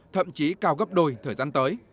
thậm chí cao gấp đôi thời gian tới